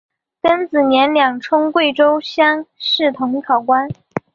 庚子年两充贵州乡试同考官。